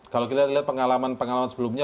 kalau kita lihat pengalaman pengalaman sebelumnya